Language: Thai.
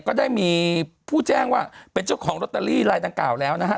ก็ได้มีผู้แจ้งว่าเป็นเจ้าของลอตเตอรี่ลายดังกล่าวแล้วนะฮะ